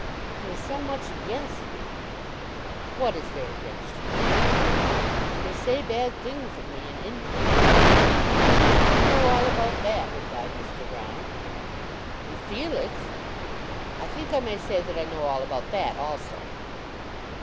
"There is so much against me." "What is there against you?" "They say bad things of me in India." "I know all about that," replied Mr. Broune. "And Felix!" "I think I may say that I know all about that also."